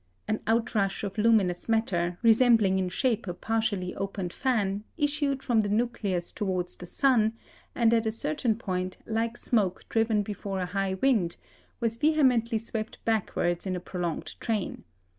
An outrush of luminous matter, resembling in shape a partially opened fan, issued from the nucleus towards the sun, and at a certain point, like smoke driven before a high wind, was vehemently swept backwards in a prolonged train.